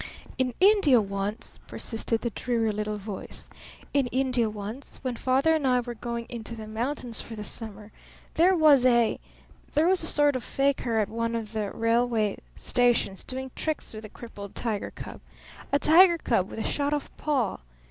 "In India once," persisted the dreary little voice, "in India once, when Father and I were going into the mountains for the summer, there was a there was a sort of fakir at one of the railway stations doing tricks with a crippled tiger cub a tiger cub with a shot off paw.